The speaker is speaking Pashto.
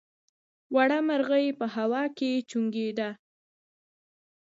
وړه مرغۍ په هوا کې وچوڼېده.